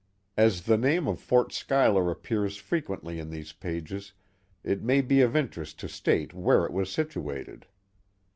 As the name of Fort Schuyler appears frequently in these pages, it may be of interest to state where it was situated.